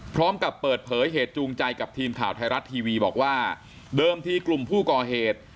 พร้อมกับเปิดเผยเหตุจูงใจกับทีมข่าวไทยรัฐทีวีบอกว่าเดิมที่กลุ่มผู้ก่อเหตุ